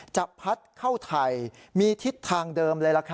จะพัดเข้าไทยมีทิศทางเดิมเลย